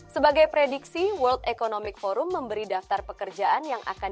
sebagai prediksi world economic forum memberi daftar pekerjaan yang akan